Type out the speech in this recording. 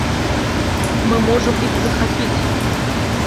Мы можам іх захапіць.